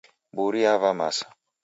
Mburi yava masa.